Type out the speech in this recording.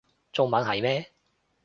中文係咩